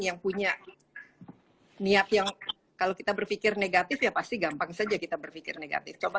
yang punya niat yang kalau kita berpikir negatif ya pasti gampang saja kita berpikir negatif coba